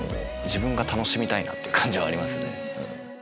自分が楽しみたいなって感じはありますね。